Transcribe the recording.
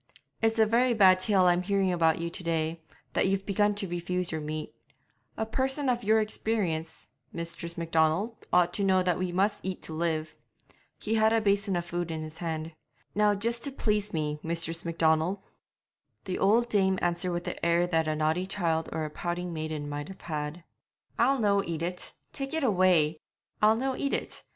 'It's a very bad tale I'm hearing about you to day, that you've begun to refuse your meat. A person of your experience, Mistress Macdonald, ought to know that we must eat to live.' He had a basin of food in his hand. 'Now just to please me, Mistress Macdonald.' The old dame answered with the air that a naughty child or a pouting maiden might have had. 'I'll no eat it tak' it away! I'll no eat it.